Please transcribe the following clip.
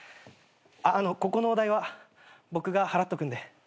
ここのお代は僕が払っとくんで。